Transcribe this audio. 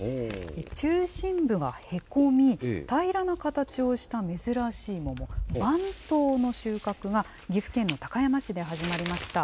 中心部がへこみ、平らな形をした珍しい桃、蟠桃の収穫が、岐阜県の高山市で始まりました。